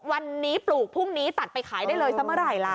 วันนี้ปลูกพรุ่งนี้ตัดไปขายได้เลยสักเมื่อไหร่ล่ะ